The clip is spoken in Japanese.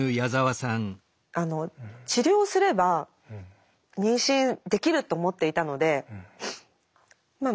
あの治療すれば妊娠できると思っていたのでまあ